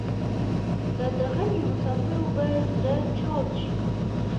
دا داغلی مسافر به زره چاود شي